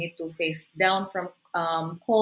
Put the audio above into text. kita juga harus menangani